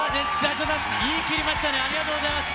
言いきりましたね、ありがとうございます。